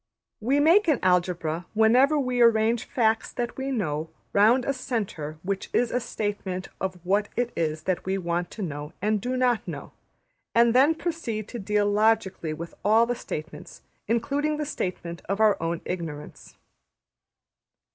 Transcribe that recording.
We make an Algebra whenever we arrange facts that we know round a centre which is a statement of what it is that we want to know and do not know; and then proceed to deal logically with all the statements, including the statement of our own ignorance.